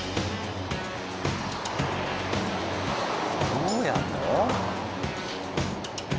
どうやるの？